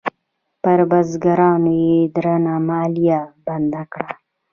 پر بزګرانو یې درنه مالیه بنده کړه.